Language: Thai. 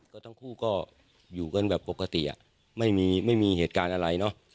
ก็ทั้งคู่ก็อยู่กันแบบปกติอ่ะไม่มีไม่มีเหตุการณ์อะไรเนอะ